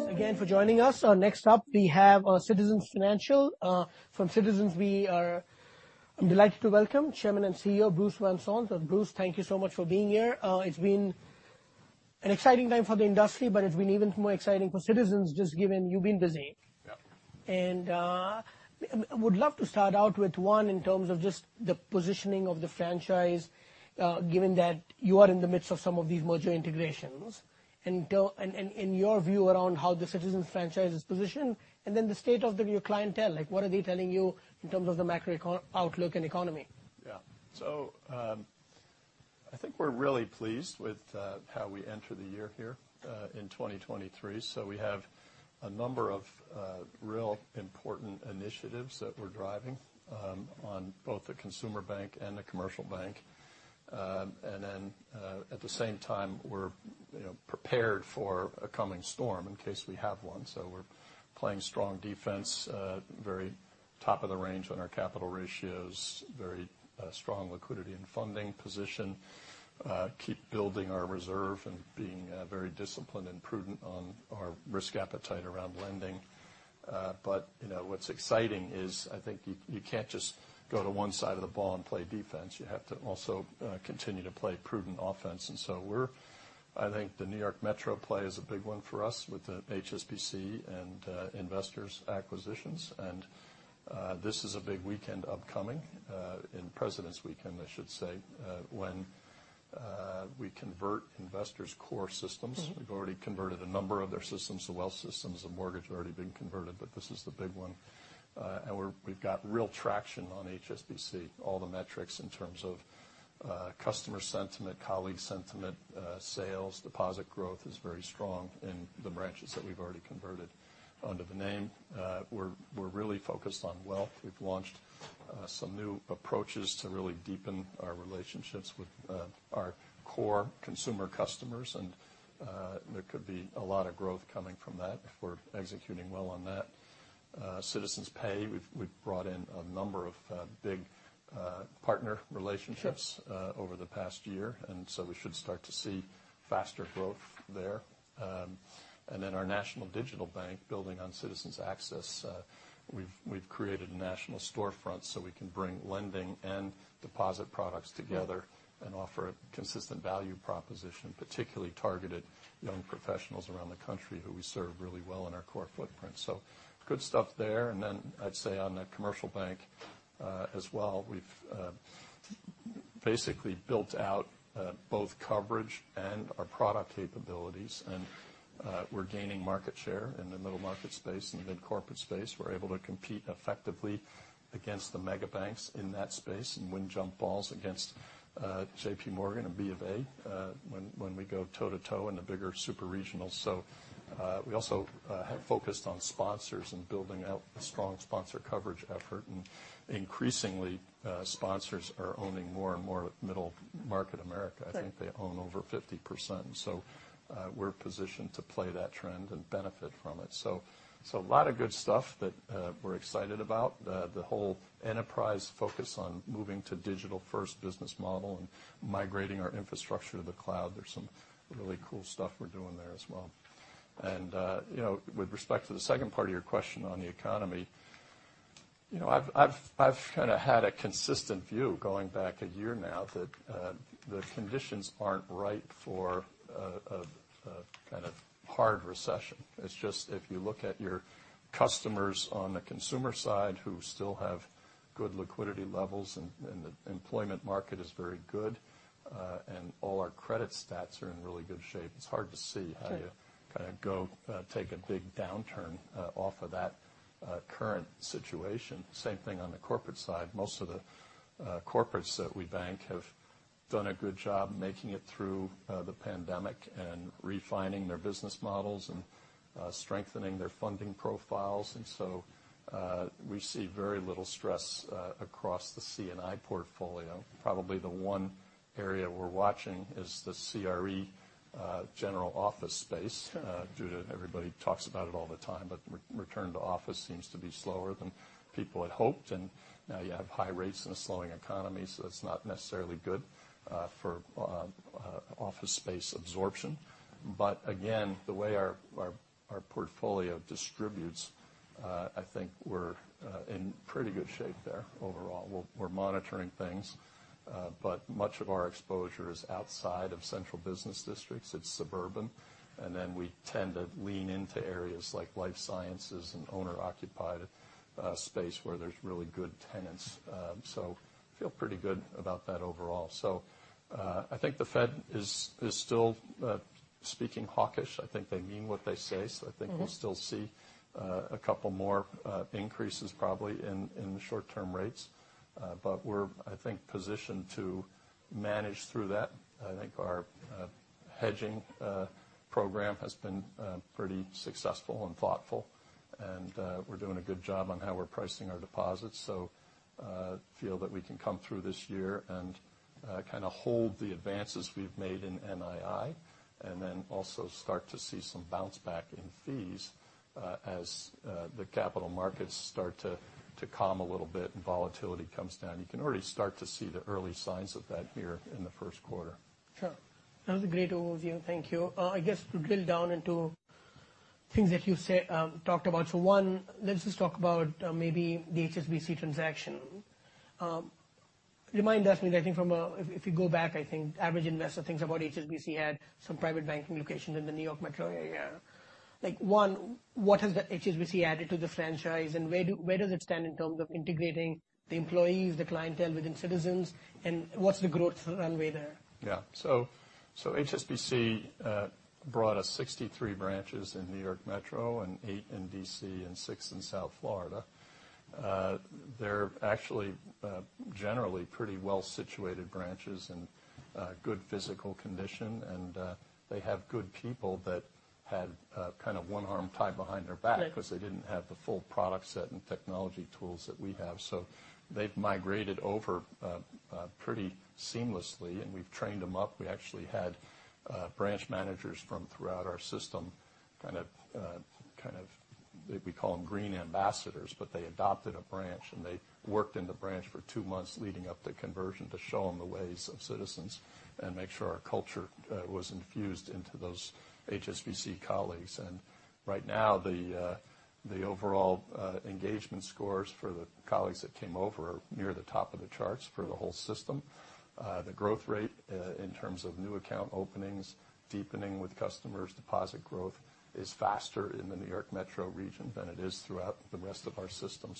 Thanks again for joining us. next up, we have Citizens Financial. from Citizens, I'm delighted to welcome Chairman and CEO Bruce Van Saun. Bruce, thank you so much for being here. it's been an exciting time for the industry, but it's been even more exciting for Citizens, just given you've been busy. Yep. Would love to start out with, one, in terms of just the positioning of the franchise, given that you are in the midst of some of these merger integrations. In your view around how the Citizens franchise is positioned, and then the state of your clientele. Like, what are they telling you in terms of the macro outlook and economy? Yeah. I think we're really pleased with how we enter the year here in 2023. We have a number of real important initiatives that we're driving on both the consumer bank and the commercial bank. At the same time, we're, you know, prepared for a coming storm in case we have one. We're playing strong defense, very top of the range on our capital ratios, very strong liquidity and funding position, keep building our reserve and being very disciplined and prudent on our risk appetite around lending. You know, what's exciting is I think you can't just go to one side of the ball and play defense. You have to also continue to play prudent offense. I think the New York Metro play is a big one for us with the HSBC and Investors acquisitions. This is a big weekend upcoming, and Presidents' Weekend, I should say, when we convert Investors' core systems. Mm-hmm. We've already converted a number of their systems, the wealth systems, the mortgage have already been converted. This is the big one. We've got real traction on HSBC, all the metrics in terms of customer sentiment, colleague sentiment, sales. Deposit growth is very strong in the branches that we've already converted under the name. We're really focused on wealth. We've launched some new approaches to really deepen our relationships with our core consumer customers, and there could be a lot of growth coming from that if we're executing well on that. Citizens Pay, we've brought in a number of big partner relationships. Sure... over the past year, we should start to see faster growth there. Our national digital bank, building on Citizens Access, we've created a national storefront so we can bring lending and deposit products together. Mm. Offer a consistent value proposition, particularly targeted young professionals around the country who we serve really well in our core footprint. Good stuff there. I'd say on the commercial bank as well, we've basically built out both coverage and our product capabilities. We're gaining market share in the middle market space and the mid corporate space. We're able to compete effectively against the mega banks in that space and win jump balls against JPMorgan and BofA when we go toe-to-toe in the bigger super regionals. We also have focused on sponsors and building out a strong sponsor coverage effort. Increasingly, sponsors are owning more and more of middle market America. Sure. I think they own over 50%, we're positioned to play that trend and benefit from it. A lot of good stuff that we're excited about. The whole enterprise focus on moving to digital first business model and migrating our infrastructure to the cloud, there's some really cool stuff we're doing there as well. You know, with respect to the second part of your question on the economy, you know, I've kind of had a consistent view going back a year now that the conditions aren't right for a kind of hard recession. It's just if you look at your customers on the consumer side who still have good liquidity levels and the employment market is very good, and all our credit stats are in really good shape, it's hard to see how. Sure ...kinda go, take a big downturn, off of that, current situation. Same thing on the corporate side. Most of the corporates that we bank have done a good job making it through the pandemic and refining their business models and strengthening their funding profiles. We see very little stress across the C&I portfolio. Probably the one area we're watching is the CRE, general office space, due to everybody talks about it all the time. Re-return to office seems to be slower than people had hoped. Now you have high rates and a slowing economy, so it's not necessarily good for office space absorption. Again, the way our, our portfolio distributes, I think we're in pretty good shape there overall. We're monitoring things, but much of our exposure is outside of central business districts. It's suburban. We tend to lean into areas like life sciences and owner-occupied space where there's really good tenants. Feel pretty good about that overall. I think the Fed is still speaking hawkish. I think they mean what they say. Mm-hmm. I think we'll still see a couple more increases probably in the short term rates. We're, I think, positioned to manage through that. I think our hedging program has been pretty successful and thoughtful. We're doing a good job on how we're pricing our deposits. Feel that we can come through this year and kinda hold the advances we've made in NII, and then also start to see some bounce back fees, as the capital markets start to calm a little bit and volatility comes down. You can already start to see the early signs of that here in the first quarter. Sure. That was a great overview. Thank you. I guess to drill down into things that you say, talked about. One, let's just talk about maybe the HSBC transaction. Remind us because I think If you go back, I think average investor thinks about HSBC had some private banking locations in the New York metro area. Like, one, what has the HSBC added to the franchise, and where does it stand in terms of integrating the employees, the clientele within Citizens, and what's the growth runway there? Yeah. HSBC brought us 63 branches in New York Metro and eight in D.C. and six in South Florida. They're actually generally pretty well-situated branches in good physical condition, and they have good people that had kind of one arm tied behind their back. Right 'cause they didn't have the full product set and technology tools that we have. They've migrated over pretty seamlessly, and we've trained them up. We actually had branch managers from throughout our system kind of, we call them Green Ambassadors, but they adopted a branch, and they worked in the branch for two months leading up to conversion to show them the ways of Citizens and make sure our culture was infused into those HSBC colleagues. Right now, the overall engagement scores for the colleagues that came over are near the top of the charts for the whole system. The growth rate in terms of new account openings, deepening with customers, deposit growth is faster in the New York metro region than it is throughout the rest of our system.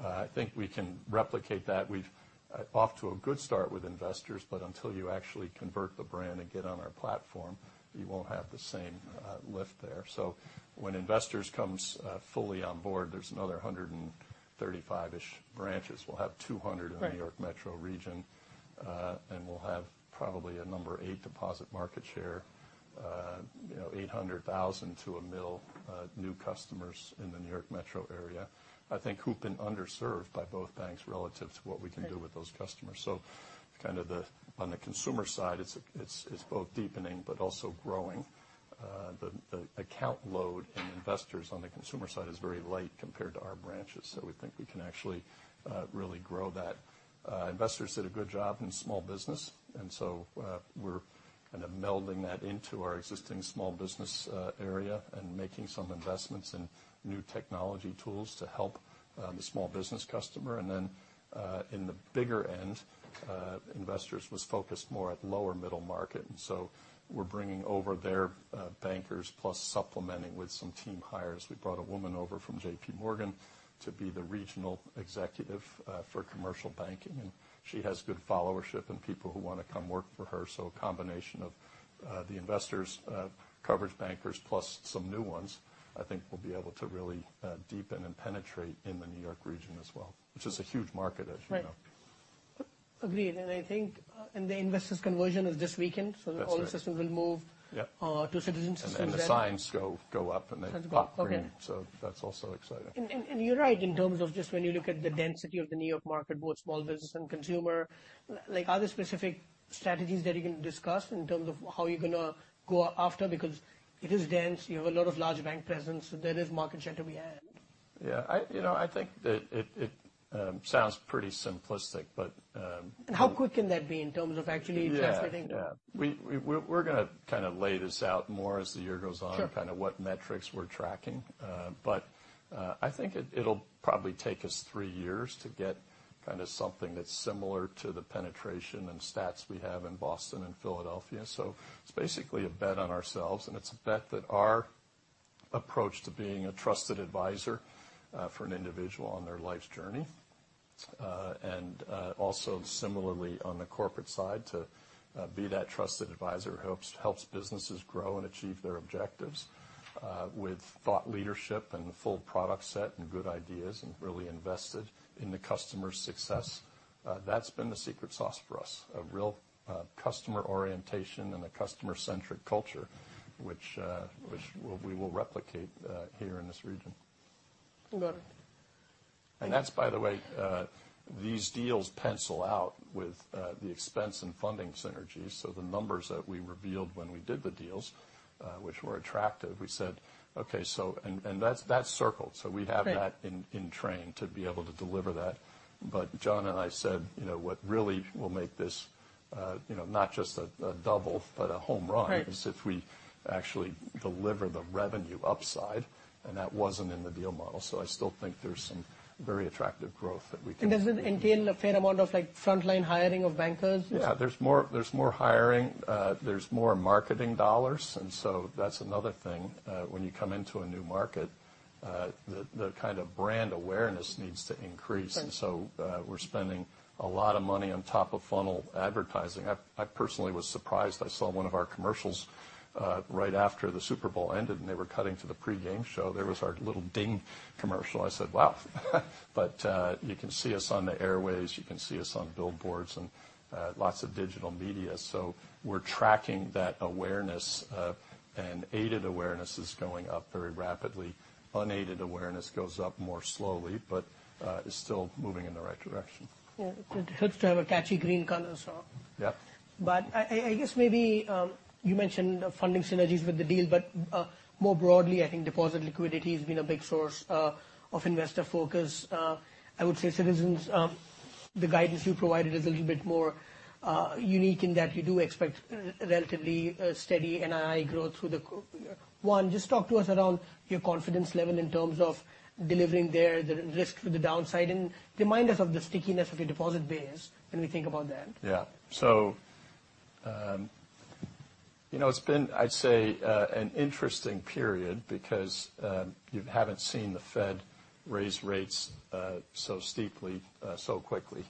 I think we can replicate that. We've off to a good start with Investors, but until you actually convert the brand and get on our platform, you won't have the same lift there. When Investors comes fully on board, there's another 135-ish branches. We'll have 200-. Right in the New York Metro region, and we'll have probably a number eight deposit market share, you know, 800,000 to $1 million new customers in the New York Metro area, I think who've been underserved by both banks relative to what we can do with those customers. On the consumer side, it's both deepening but also growing. The account load in Investors on the consumer side is very light compared to our branches, so we think we can actually really grow that. Investors did a good job in small business, we're kind of melding that into our existing small business area and making some investments in new technology tools to help the small business customer. In the bigger end, Investors was focused more at lower middle market, we're bringing over their bankers plus supplementing with some team hires. We brought a woman over from JPMorgan to be the regional executive for commercial banking, and she has good followership and people who wanna come work for her. A combination of the Investors coverage bankers plus some new ones, I think we'll be able to really deepen and penetrate in the New York region as well, which is a huge market, as you know. Right. Agreed. I think the Investors conversion is this weekend. That's right. All the systems will. Yep to Citizens systems then. The signs go up, and they go green. Okay. That's also exciting. You're right in terms of just when you look at the density of the New York market, both small business and consumer, like are there specific strategies that you can discuss in terms of how you're gonna go after? Because it is dense, you have a lot of large bank presence, so there is market share to be had. Yeah. I, you know, I think that it sounds pretty simplistic, but How quick can that be in terms of actually translating? Yeah. Yeah. We're gonna kinda lay this out more as the year goes on. Sure... kind of what metrics we're tracking. I think it'll probably take us three years to get kind of something that's similar to the penetration and stats we have in Boston and Philadelphia. It's basically a bet on ourselves, and it's a bet that our approach to being a trusted advisor, for an individual on their life's journey, and also similarly on the corporate side to be that trusted advisor helps businesses grow and achieve their objectives, with thought leadership and the full product set and good ideas and really invested in the customer's success. That's been the secret sauce for us, a real customer orientation and a customer-centric culture, which we will replicate here in this region. Got it. That's, by the way, these deals pencil out with the expense and funding synergies, so the numbers that we revealed when we did the deals, which were attractive, we said, "Okay, so..." That's circled. Right. We have that in train to be able to deliver that. John and I said, you know, what really will make this, you know, not just a double but a home run. Right... is if we actually deliver the revenue upside, and that wasn't in the deal model. I still think there's some very attractive growth that we can. Does it entail a fair amount of, like, frontline hiring of bankers? Yeah. There's more, there's more hiring. There's more marketing dollars. That's another thing. When you come into a new market, the kind of brand awareness needs to increase. Right. We're spending a lot of money on top-of-funnel advertising. I personally was surprised. I saw one of our commercials, right after the Super Bowl ended, and they were cutting to the pregame show. There was our little ding commercial. I said, "Wow." You can see us on the airwaves. You can see us on billboards and lots of digital media. We're tracking that awareness, and aided awareness is going up very rapidly. Unaided awareness goes up more slowly, but is still moving in the right direction. Yeah. It helps to have a catchy green color, so. Yeah. I guess maybe, you mentioned funding synergies with the deal, but more broadly, I think deposit liquidity has been a big source of investor focus. I would say Citizens. The guidance you provided is a little bit more unique in that you do expect relatively steady NII growth through the One, just talk to us around your confidence level in terms of delivering there, the risk for the downside, and remind us of the stickiness of your deposit base when we think about that. You know, it's been, I'd say, an interesting period because you haven't seen the Fed raise rates so steeply so quickly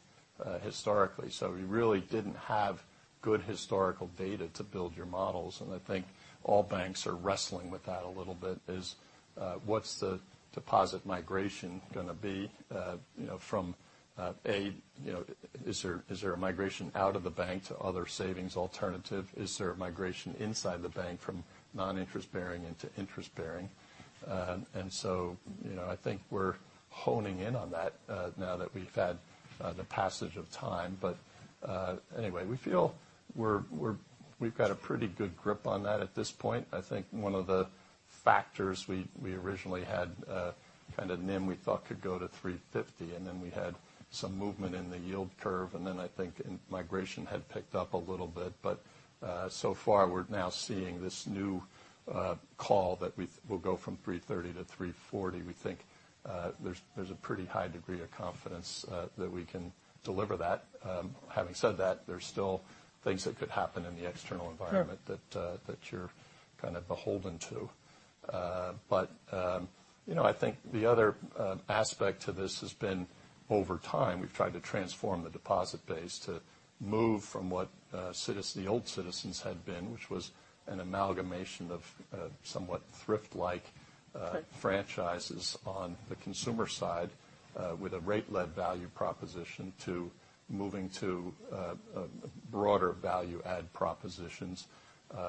historically. We really didn't have good historical data to build your models, and I think all banks are wrestling with that a little bit is what's the deposit migration gonna be, you know, from A, you know, is there a migration out of the bank to other savings alternative? Is there a migration inside the bank from non-interest bearing into interest bearing? You know, I think we're honing in on that now that we've had the passage of time. Anyway, we feel we've got a pretty good grip on that at this point. I think one of the factors we originally had, kind of NIM we thought could go to 3.50%, and then we had some movement in the yield curve, and then I think migration had picked up a little bit. So far, we're now seeing this new call that we'll go from 3.30%-3.40%. We think there's a pretty high degree of confidence that we can deliver that. Having said that, there's still things that could happen in the external environment. Sure... that you're kind of beholden to. You know, I think the other aspect to this has been over time, we've tried to transform the deposit base to move from what, Citizens, the old Citizens had been, which was an amalgamation of, somewhat thrift-like, franchises on the consumer side, with a rate-led value proposition, to moving to broader value add propositions,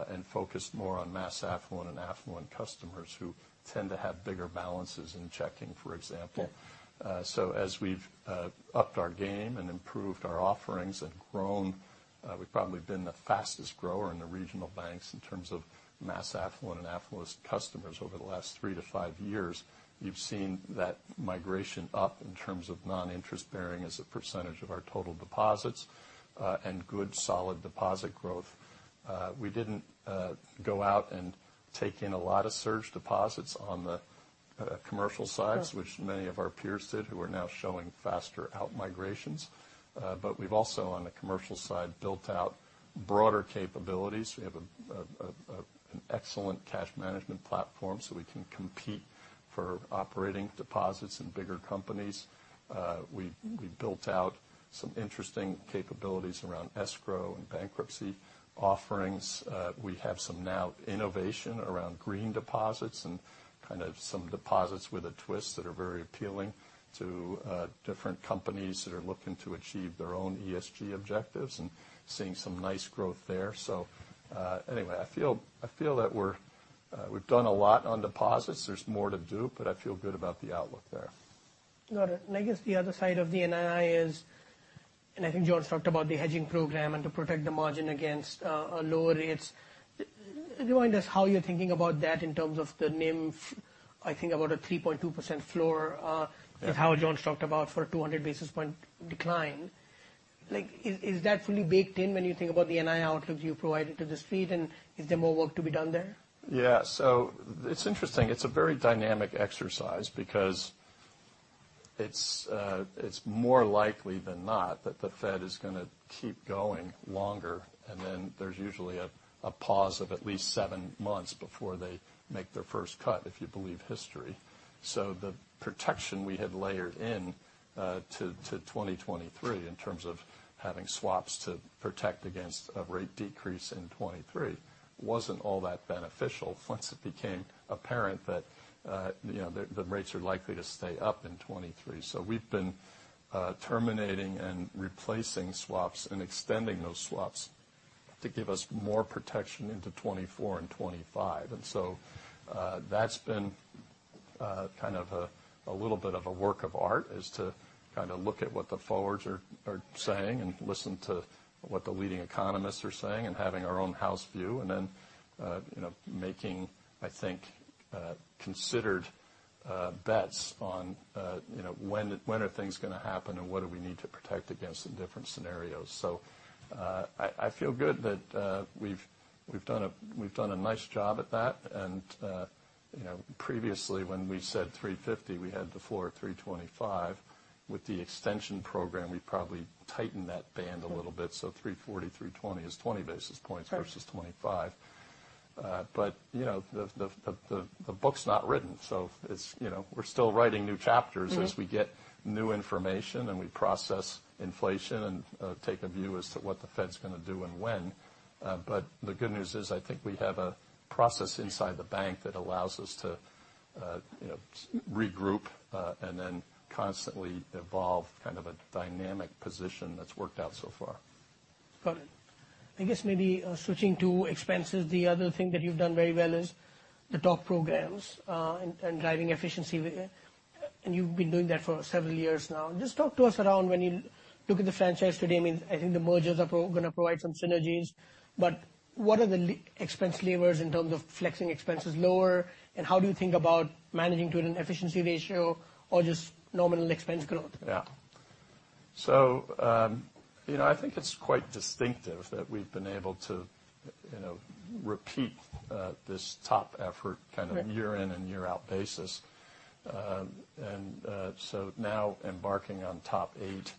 and focus more on mass affluent and affluent customers who tend to have bigger balances in checking, for example. Yeah. As we've upped our game and improved our offerings and grown, we've probably been the fastest grower in the regional banks in terms of mass affluent and affluent customers over the last 3 to 5 years. You've seen that migration up in terms of non-interest bearing as a percentage of our total deposits, and good solid deposit growth. We didn't go out and take in a lot of surge deposits on the commercial sides. Sure... which many of our peers did, who are now showing faster outmigrations. We've also, on the commercial side, built out broader capabilities. We have an excellent cash management platform, so we can compete for operating deposits in bigger companies. We've built out some interesting capabilities around escrow and bankruptcy offerings. We have some now innovation around green deposits and kind of some deposits with a twist that are very appealing to different companies that are looking to achieve their own ESG objectives, and seeing some nice growth there. Anyway, I feel that we're, we've done a lot on deposits. There's more to do, but I feel good about the outlook there. Got it. I guess the other side of the NII is, and I think John's talked about the hedging program and to protect the margin against lower rates. Remind us how you're thinking about that in terms of the NIM, I think about a 3.2% floor? Yeah... is how John's talked about for a 200 basis point decline. Like, is that fully baked in when you think about the NII outlook you provided to the Street, and is there more work to be done there? It's interesting. It's a very dynamic exercise because it's more likely than not that the Fed is going to keep going longer, there's usually a pause of at least seven months before they make their first cut, if you believe history. The protection we had layered in to 2023 in terms of having swaps to protect against a rate decrease in 2023 wasn't all that beneficial once it became apparent that, you know, the rates are likely to stay up in 2023. We've been terminating and replacing swaps and extending those swaps to give us more protection into 2024 and 2025. That's been kind of a little bit of a work of art, is to kind of look at what the forwards are saying and listen to what the leading economists are saying and having our own house view, and then, you know, making, I think, considered bets on, you know, when are things gonna happen and what do we need to protect against in different scenarios. I feel good that we've done a nice job at that. You know, previously when we said 350, we had the floor at 325. With the extension program, we probably tightened that band a little bit, so 340-320 is 20 basis points. Sure... versus 25. you know, the book's not written, so it's, you know, we're still writing new chapters. Mm-hmm... as we get new information, and we process inflation and, take a view as to what the Fed's gonna do and when. The good news is, I think we have a process inside the bank that allows us to, you know, regroup, and then constantly evolve kind of a dynamic position that's worked out so far. Got it. I guess maybe switching to expenses, the other thing that you've done very well is the TOP programs, and driving efficiency. You've been doing that for several years now. Just talk to us around when you look at the franchise today, I mean, I think the mergers are gonna provide some synergies, but what are the expense levers in terms of flexing expenses lower, and how do you think about managing to an efficiency ratio or just nominal expense growth? Yeah. You know, I think it's quite distinctive that we've been able to, you know, repeat this top effort. Right... year in and year out basis. Now embarking on TOP 8.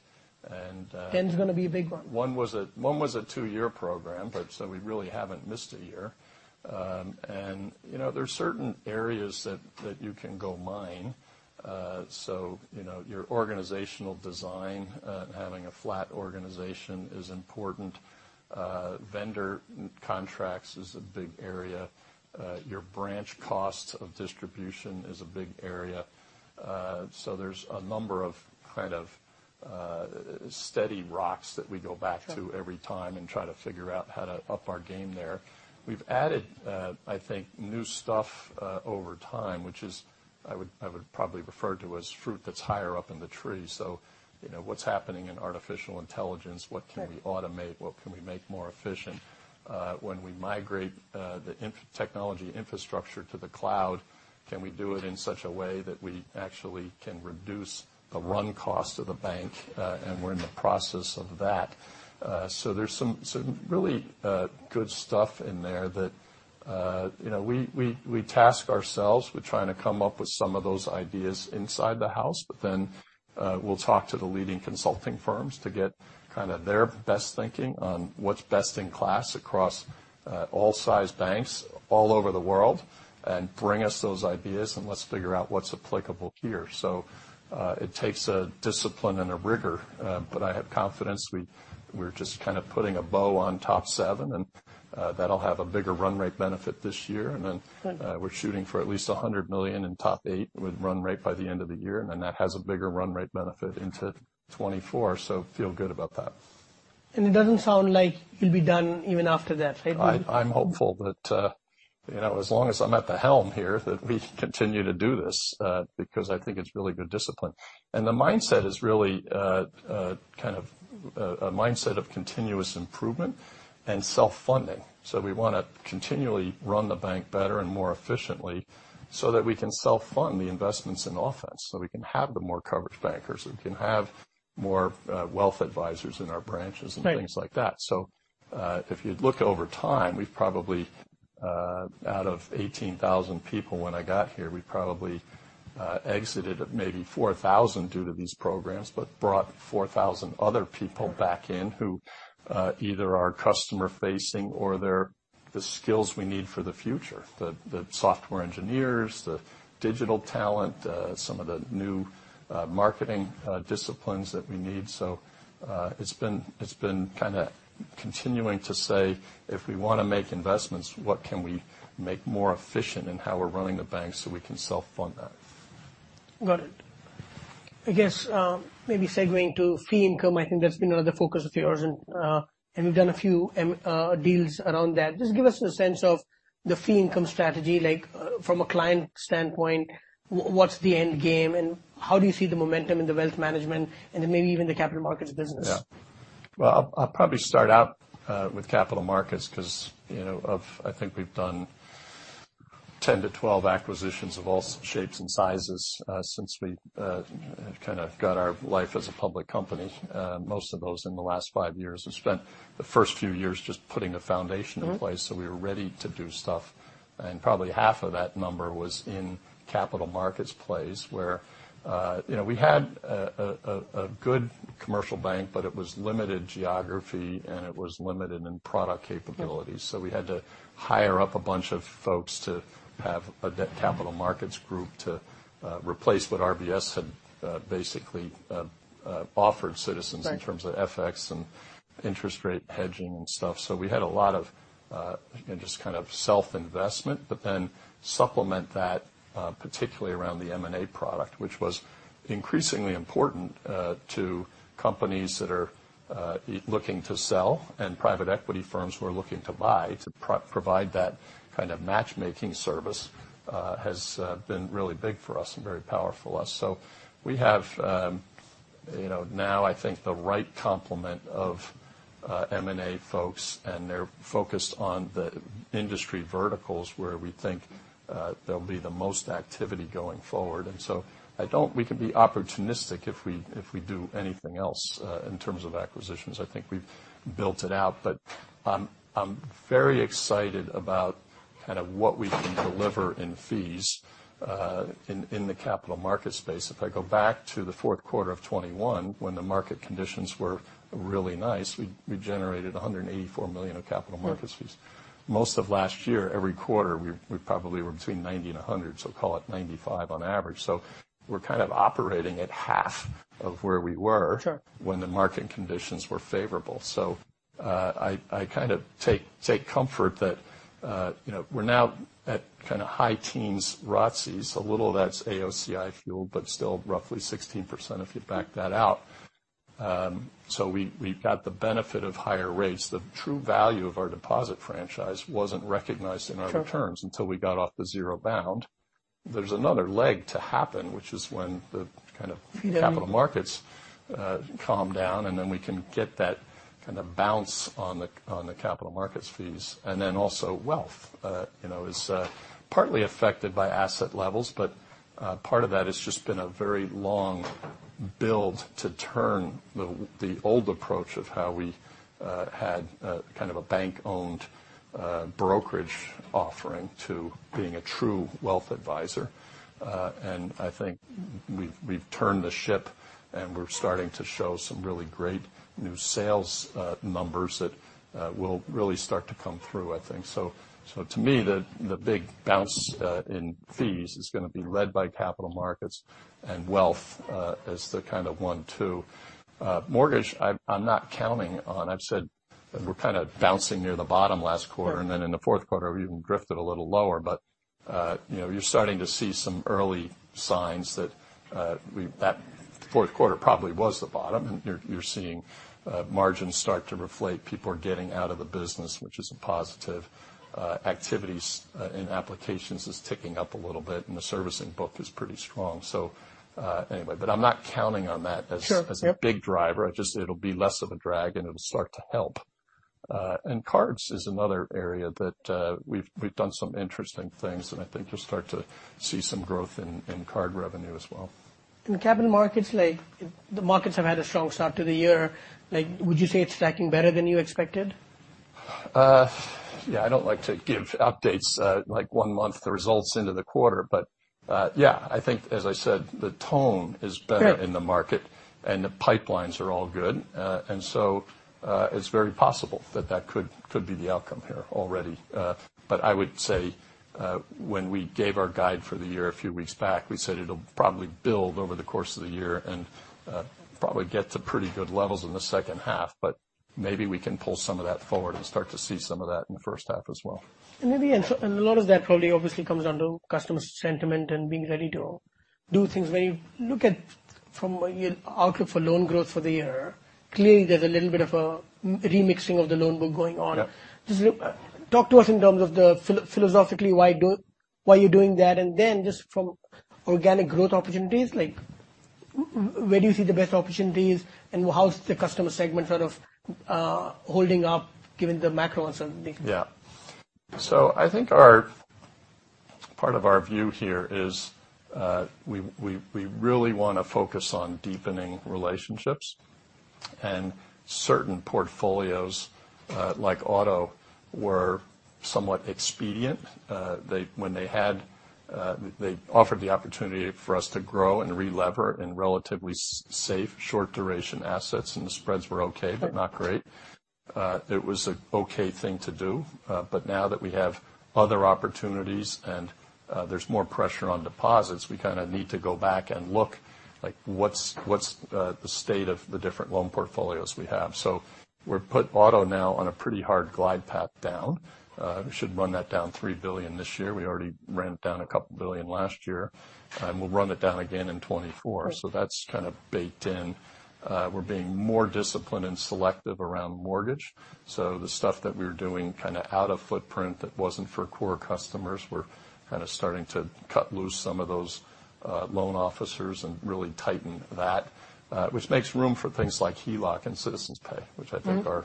10's gonna be a big one. One was a two-year program, but so we really haven't missed a year. You know, there are certain areas that you can go mine. You know, your organizational design, having a flat organization is important. Vendor contracts is a big area. Your branch costs of distribution is a big area. There's a number of kind of steady rocks that we go back to every time and try to figure out how to up our game there. We've added, I think, new stuff over time, which is I would probably refer to as fruit that's higher up in the tree. You know, what's happening in artificial intelligence? Sure. What can we automate? What can we make more efficient? When we migrate, technology infrastructure to the cloud, can we do it in such a way that we actually can reduce the run cost of the bank? We're in the process of that. There's some really, good stuff in there that, you know, we task ourselves with trying to come up with some of those ideas inside the house. We'll talk to the leading consulting firms to get kind of their best thinking on what's best in class across, all size banks all over the world and bring us those ideas, and let's figure out what's applicable here. It takes a discipline and a rigor, but I have confidence we're just kind of putting a bow on TOP 7, and that'll have a bigger run rate benefit this year. Good. We're shooting for at least $100 million in TOP 8 with run rate by the end of the year, and then that has a bigger run rate benefit into 2024, so feel good about that. It doesn't sound like you'll be done even after that, right? I'm hopeful that, you know, as long as I'm at the helm here, that we continue to do this, because I think it's really good discipline. The mindset is really, kind of a mindset of continuous improvement and self-funding. We wanna continually run the bank better and more efficiently so that we can self-fund the investments in offense, so we can have the more coverage bankers, we can have more wealth advisors in our branches. Right... and things like that. If you look over time, we've probably, out of 18,000 people when I got here, we probably exited at maybe 4,000 due to these programs, but brought 4,000 other people back in who either are customer-facing or they're the skills we need for the future, the software engineers, the digital talent, some of the new marketing disciplines that we need. It's been, it's been kinda continuing to say, "If we wanna make investments, what can we make more efficient in how we're running the bank so we can self-fund that? Got it. I guess, maybe segueing to fee income, I think that's been another focus of yours and you've done a few deals around that. Just give us a sense of the fee income strategy, like from a client standpoint, what's the end game and how do you see the momentum in the wealth management and then maybe even the capital markets business? Yeah. Well, I'll probably start out with capital markets 'cause, you know, I think we've done 10-12 acquisitions of all shapes and sizes since we have kind of got our life as a public company. Most of those in the last five years. We spent the first few years just putting a foundation in place so we were ready to do stuff. Probably half of that number was in capital markets plays where, you know, we had a good commercial bank, but it was limited geography, and it was limited in product capabilities. Yeah. We had to hire up a bunch of folks to have a Debt Capital Markets group to replace what RBS had basically offered Citizens-. Right... in terms of FX and interest rate hedging and stuff. We had a lot of, again, just kind of self-investment, but then supplement that, particularly around the M&A product, which was increasingly important, to companies that are looking to sell and private equity firms who are looking to buy. To provide that kind of matchmaking service, has been really big for us and very powerful us. We have, you know, now I think the right complement of, M&A folks, and they're focused on the industry verticals where we think, there'll be the most activity going forward. I don't... We can be opportunistic if we, if we do anything else, in terms of acquisitions. I think we've built it out. I'm very excited about kind of what we can deliver in fees in the capital market space. If I go back to the fourth quarter of 2021, when the market conditions were really nice, we generated $184 million of capital markets fees. Most of last year, every quarter, we probably were between $90 and $100, so call it $95 on average. We're kind of operating at half of where we were. Sure... when the market conditions were favorable. I kind of take comfort that, you know, we're now at kind of high teens ROTCEs. A little of that's AOCI fuel, but still roughly 16% if you back that out. We've got the benefit of higher rates. The true value of our deposit franchise wasn't recognized in our returns. Sure... until we got off the zero bound. There's another leg to happen, which is when the. Mm-hmm... capital markets calm down, and then we can get that kind of bounce on the, on the capital markets fees. Also wealth, you know, is partly affected by asset levels, but part of that has just been a very long build to turn the old approach of how we had kind of a bank-owned brokerage offering to being a true wealth advisor. I think we've turned the ship, and we're starting to show some really great new sales numbers that will really start to come through, I think. To me, the big bounce in fees is gonna be led by capital markets and wealth as the kind of one, two. Mortgage, I'm not counting on. I've said we're kinda bouncing near the bottom last quarter. In the fourth quarter we even drifted a little lower. You know, you're starting to see some early signs that that fourth quarter probably was the bottom, and you're seeing margins start to reflate. People are getting out of the business, which is a positive. Activities, in applications is ticking up a little bit, and the servicing book is pretty strong. Anyway. I'm not counting on that as- Sure. Yep. as a big driver. It'll be less of a drag, and it'll start to help. Cards is another area that we've done some interesting things, and I think you'll start to see some growth in card revenue as well. In the capital markets, like, the markets have had a strong start to the year. Like, would you say it's tracking better than you expected? Yeah, I don't like to give updates, like one month the results into the quarter, but, yeah, I think, as I said, the tone is better. Sure... in the market, the pipelines are all good. It's very possible that that could be the outcome here already. I would say, when we gave our guide for the year a few weeks back, we said it'll probably build over the course of the year and probably get to pretty good levels in the second half. Maybe we can pull some of that forward and start to see some of that in the first half as well. Maybe, a lot of that probably obviously comes down to customer sentiment and being ready to do things. When you look at from your outlook for loan growth for the year, clearly there's a little bit of a remixing of the loan book going on. Yeah. Just look... Talk to us in terms of the... philosophically, why you're doing that. Then just from organic growth opportunities, like, where do you see the best opportunities, and how's the customer segment sort of, holding up given the macro uncertainty? Part of our view here is, we really wanna focus on deepening relationships, and certain portfolios, like auto, were somewhat expedient. When they had, they offered the opportunity for us to grow and relever in relatively safe short duration assets, and the spreads were okay. Sure... but not great, it was a Okay thing to do. But now that we have other opportunities and there's more pressure on deposits, we kind of need to go back and look, like, what's the state of the different loan portfolios we have. We've put auto now on a pretty hard glide path down. We should run that down $3 billion this year. We already ran it down $2 billion last year. We'll run it down again in 2024. Sure. That's kind of baked in. We're being more disciplined and selective around mortgage. So the stuff that we were doing kinda out of footprint that wasn't for core customers, we're kinda starting to cut loose some of those loan officers and really tighten that, which makes room for things like HELOC and Citizens Pay... Mm-hmm which I think are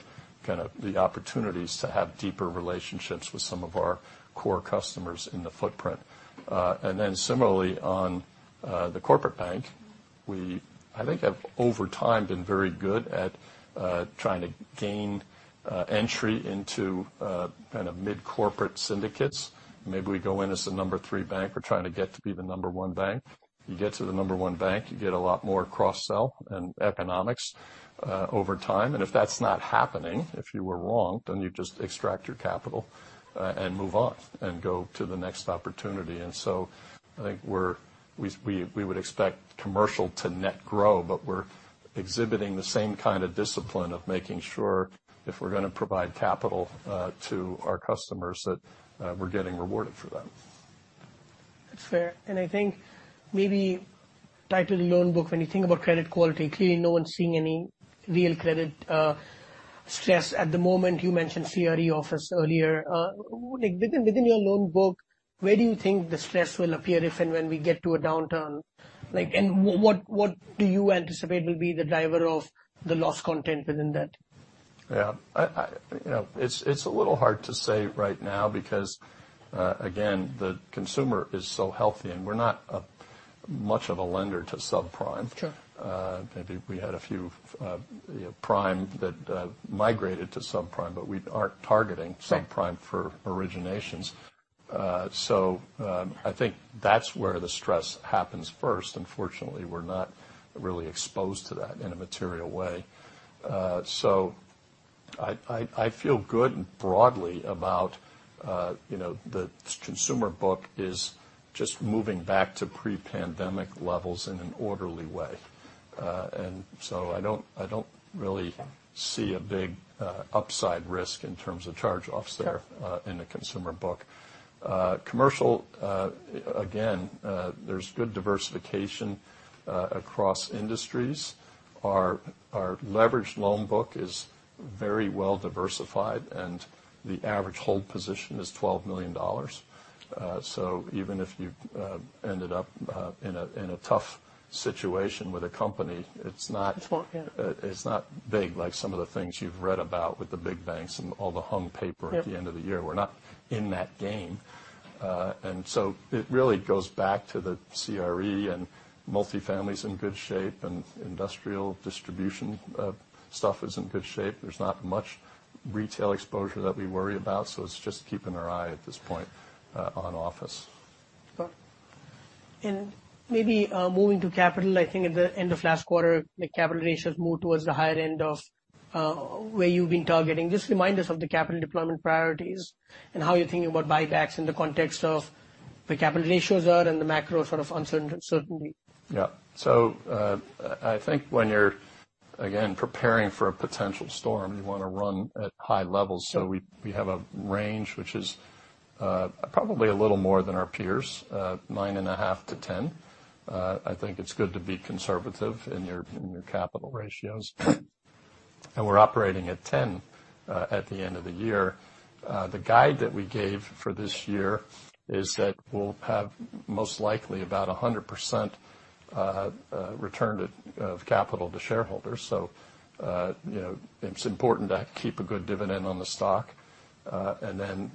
kind of the opportunities to have deeper relationships with some of our core customers in the footprint. Then similarly, on the corporate bank, we I think have over time been very good at trying to gain entry into kind of mid-corporate syndicates. Maybe we go in as the number three bank. We're trying to get to be the number one bank. You get to the number one bank, you get a lot more cross-sell and economics over time. If that's not happening, if you were wrong, then you just extract your capital and move on and go to the next opportunity. I think we're... We would expect commercial to net grow, but we're exhibiting the same kind of discipline of making sure if we're gonna provide capital to our customers, that we're getting rewarded for that. That's fair. I think maybe title loan book, when you think about credit quality, clearly no one's seeing any real credit stress at the moment. You mentioned CRE office earlier. Within your loan book, where do you think the stress will appear if and when we get to a downturn? What do you anticipate will be the driver of the loss content within that? Yeah. I You know, it's a little hard to say right now because, again, the consumer is so healthy, and we're not much of a lender to subprime. Sure. Maybe we had a few, you know, prime that migrated to subprime, but we aren't. Sure subprime for originations. I think that's where the stress happens first. Fortunately, we're not really exposed to that in a material way. I feel good broadly about, you know, the consumer book is just moving back to pre-pandemic levels in an orderly way. I don't really see a big upside risk in terms of charge-offs there. Sure in the consumer book. Commercial, again, there's good diversification across industries. Our leveraged loan book is very well-diversified, and the average hold position is $12 million. Even if you ended up in a tough situation with a company, it's not. It's not, yeah. it's not big like some of the things you've read about with the big banks and all the hung paper. Yep ...at the end of the year. We're not in that game. It really goes back to the CRE, and multi-family's in good shape, and industrial distribution stuff is in good shape. There's not much retail exposure that we worry about. It's just keeping our eye at this point, on office. Sure. Maybe, moving to capital, I think at the end of last quarter, the capital ratios moved towards the higher end of where you've been targeting. Just remind us of the capital deployment priorities and how you're thinking about buybacks in the context of where capital ratios are and the macro sort of uncertain-certainty. Yeah. I think when you're, again, preparing for a potential storm, you wanna run at high levels. Sure. We have a range which is probably a little more than our peers, 9.5%-10%. I think it's good to be conservative in your capital ratios. We're operating at 10% at the end of the year. The guide that we gave for this year is that we'll have most likely about a 100% return to, of capital to shareholders. You know, it's important to keep a good dividend on the stock.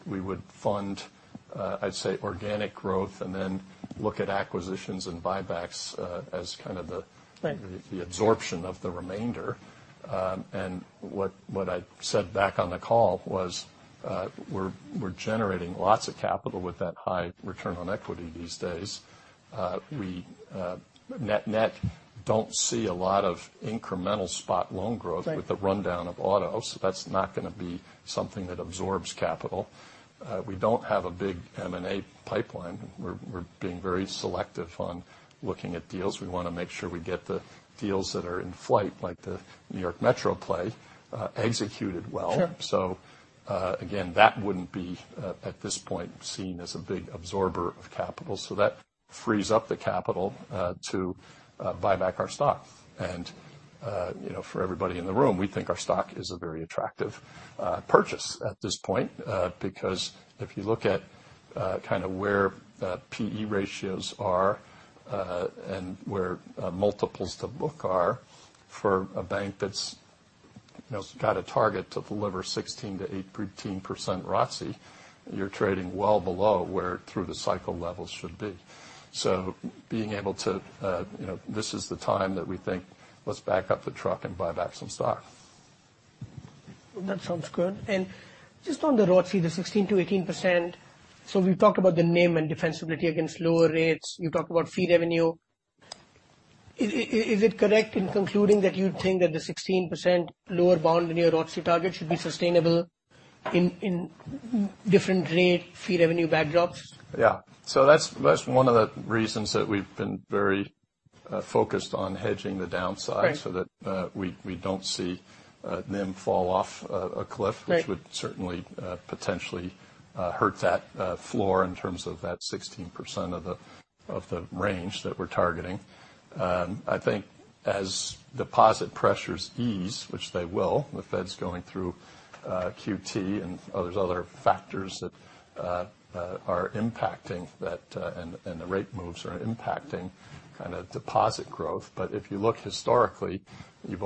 We would fund, I'd say organic growth and then look at acquisitions and buybacks as kind of the. Right ...the absorption of the remainder. What I said back on the call was, we're generating lots of capital with that high return on equity these days. We, net don't see a lot of incremental spot loan growth- Right ...with the rundown of autos. That's not gonna be something that absorbs capital. We don't have a big M&A pipeline. We're being very selective on looking at deals. We wanna make sure we get the deals that are in flight, like the New York Metro play, executed well. Sure. Again, that wouldn't be at this point seen as a big absorber of capital, so that frees up the capital to buy back our stock. You know, for everybody in the room, we think our stock is a very attractive purchase at this point. Because if you look at kind of where P/E ratios are and where multiples to book are for a bank that's, you know, got a target to deliver 13% ROTCE, you're trading well below where through the cycle levels should be. Being able to, you know, this is the time that we think, "Let's back up the truck and buy back some stock. That sounds good. Just on the ROTCE, the 16%-18%, we've talked about the NIM and defensibility against lower rates. You talked about fee revenue. Is it correct in concluding that you'd think that the 16% lower bound in your ROTCE target should be sustainable in different rate fee revenue backdrops? Yeah. That's one of the reasons that we've been very focused on hedging the downside- Right we don't see NIM fall off a cliff. Right ...which would certainly potentially hurt that floor in terms of that 16% of the range that we're targeting. I think as deposit pressures ease, which they will, the Fed's going through QT and there's other factors that are impacting that, and the rate moves are impacting kind of deposit growth. If you look historically, you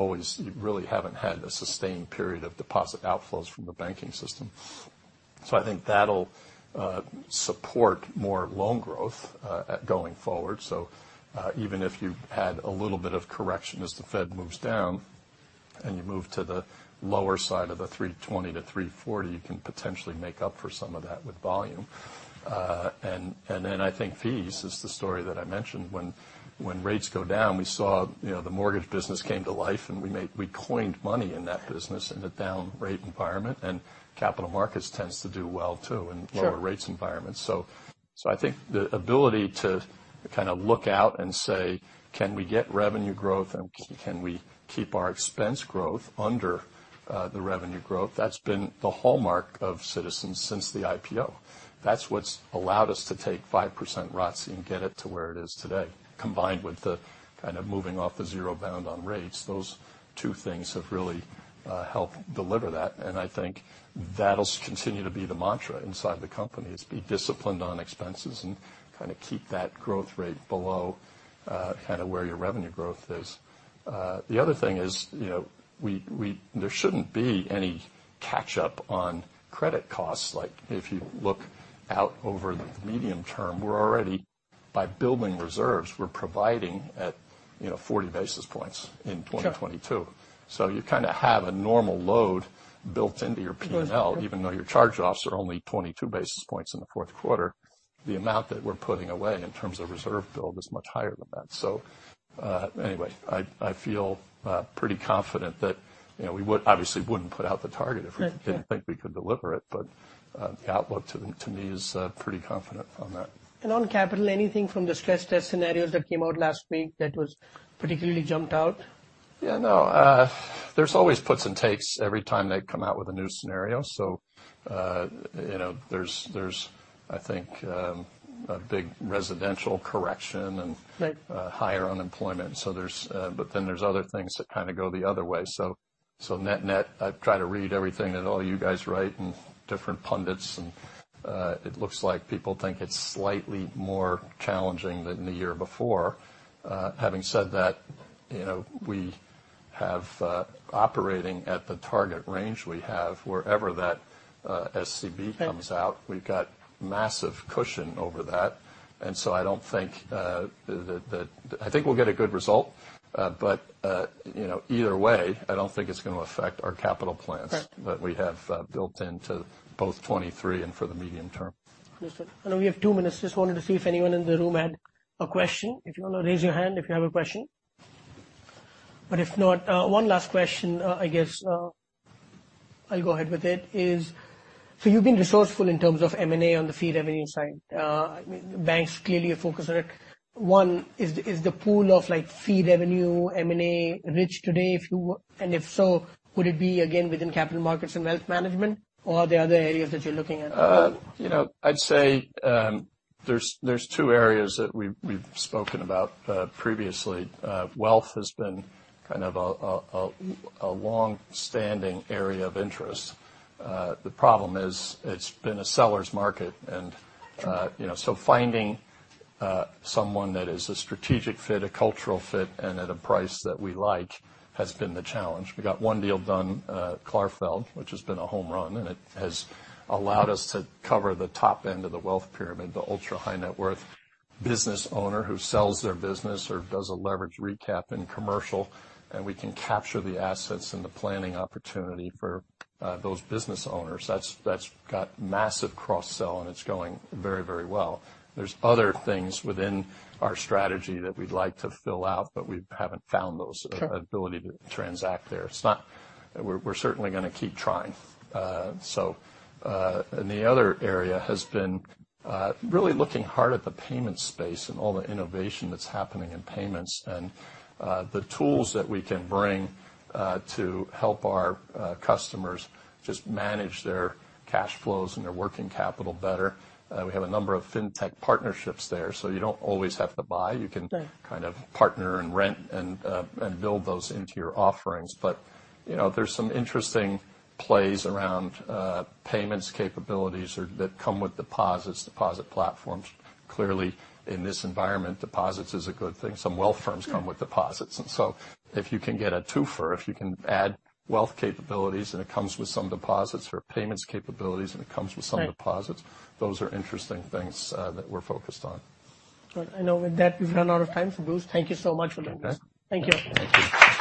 really haven't had a sustained period of deposit outflows from the banking system. I think that'll support more loan growth going forward. Even if you had a little bit of correction as the Fed moves down, and you move to the lower side of the 3.20%-3.40%, you can potentially make up for some of that with volume. I think fees is the story that I mentioned. When rates go down, we saw, you know, the mortgage business came to life, and we coined money in that business in a down rate environment. Capital markets tends to do well too- Sure ...in lower rates environments. I think the ability to kind of look out and say, "Can we get revenue growth and can we keep our expense growth under the revenue growth?" That's been the hallmark of Citizens since the IPO. That's what's allowed us to take 5% ROTCE and get it to where it is today, combined with the kind of moving off the zero bound on rates. Those two things have really helped deliver that. I think that'll continue to be the mantra inside the company is be disciplined on expenses and kind of keep that growth rate below kind of where your revenue growth is. The other thing is, you know, there shouldn't be any catch-up on credit costs. If you look out over the medium term, we're already, by building reserves, we're providing at, you know, 40 basis points in 2022. Sure. you kind of have a normal load built into your P&L. Built, yeah. ...even though your charge-offs are only 22 basis points in the fourth quarter. The amount that we're putting away in terms of reserve build is much higher than that. Anyway, I feel pretty confident that, you know, we would obviously wouldn't put out the target. Right. ...if we didn't think we could deliver it. The outlook to me is pretty confident on that. On capital, anything from the stress test scenarios that came out last week that was particularly jumped out? Yeah, no, there's always puts and takes every time they come out with a new scenario. You know, there's I think, a big residential correction. Right. higher unemployment. There's, but then there's other things that kinda go the other way. Net-net, I try to read everything that all you guys write and different pundits and it looks like people think it's slightly more challenging than the year before. Having said that, you know, we have operating at the target range we have wherever that SCB comes out. Right. We've got massive cushion over that. I don't think that I think we'll get a good result. You know, either way, I don't think it's gonna affect our capital plans. Right. that we have, built into both 2023 and for the medium term. Understood. I know we have two minutes. Just wanted to see if anyone in the room had a question. If you wanna raise your hand if you have a question. If not, one last question, I guess, I'll go ahead with it, is so you've been resourceful in terms of M&A on the fee revenue side. I mean, the bank's clearly a focus on it. One, is the pool of, like, fee revenue M&A rich today and if so, would it be again within capital markets and wealth management or are there other areas that you're looking at? You know, I'd say there's two areas that we've spoken about previously. Wealth has been kind of a longstanding area of interest. The problem is it's been a seller's market. You know, finding someone that is a strategic fit, a cultural fit, and at a price that we like has been the challenge. We got one deal done, Clarfeld, which has been a home run. It has allowed us to cover the top end of the wealth pyramid, the ultra-high-net-worth business owner who sells their business or does a leverage recap in commercial. We can capture the assets and the planning opportunity for those business owners. That's got massive cross-sell. It's going very, very well. There's other things within our strategy that we'd like to fill out, but we haven't found those. Sure. -ability to transact there. It's not... We're certainly gonna keep trying. The other area has been really looking hard at the payment space and all the innovation that's happening in payments and the tools that we can bring to help our customers just manage their cash flows and their working capital better. We have a number of fintech partnerships there. You don't always have to buy. Sure. You can kind of partner and rent and build those into your offerings. You know, there's some interesting plays around payments capabilities or that come with deposits, deposit platforms. Clearly, in this environment, deposits is a good thing. Some wealth firms come with deposits. If you can get a twofer, if you can add wealth capabilities and it comes with some deposits or payments capabilities and it comes with some deposits... Right. those are interesting things, that we're focused on. Good. I know with that we've run out of time. Bruce, thank you so much for doing this. Okay. Thank you. Thank you.